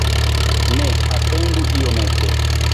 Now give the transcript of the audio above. Ne, atendu iomete!